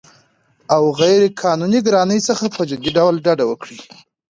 او غیرقانوني ګرانۍ څخه په جدي ډول ډډه وکړي